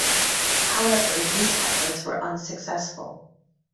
However, these efforts were unsuccessful.